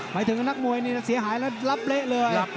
หมายถึงนักมวยนี่เสียหายแล้วรับเละเลย